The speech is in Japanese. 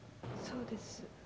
そうです。